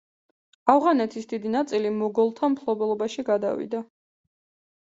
ავღანეთის დიდი ნაწილი მოგოლთა მფლობელობაში გადავიდა.